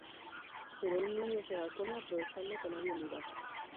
Pero un niño se la come aprovechando que nadie mira.